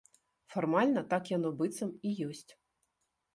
Фармальна так яно, быццам, і ёсць.